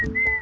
ya udah deh